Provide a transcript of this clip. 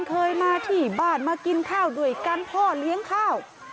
เคยมาที่บ้านมากินข้าวด้วยกันพ่อเลี้ยงข้าว